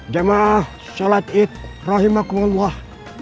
jemaah salatik rahimakumullah